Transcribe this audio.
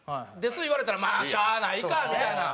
言われたらまあしゃあないかみたいな。